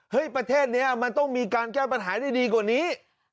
ประเทศนี้มันต้องมีการแก้ปัญหาได้ดีกว่านี้